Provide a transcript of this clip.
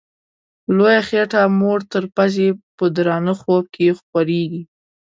لویه خېټه موړ تر پزي په درانه خوب کي خوریږي